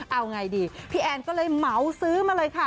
เอาไงดีพี่แอนก็เลยเหมาซื้อมาเลยค่ะ